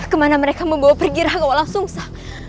kemana mereka membawa pergi raga walau sungsa